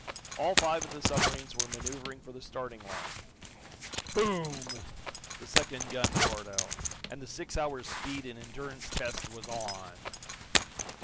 All five of the submarines were manoeuvering for the starting line. Boom! The second gun roared out, and the six hours' speed and endurance test was on!